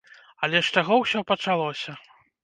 Але з чаго ўсё пачалося.